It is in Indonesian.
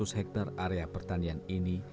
sekitar enam ratus hektar area pertanian ini